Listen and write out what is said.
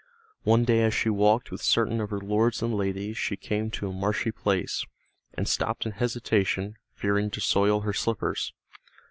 One day as she walked with certain of her lords and ladies she came to a marshy place, and stopped in hesitation, fearing to soil her slippers.